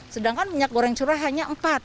sedangkan minyak goreng curah hanya empat